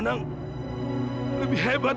yang terbaik sekali